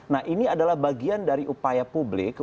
nah ini adalah bagian dari upaya publik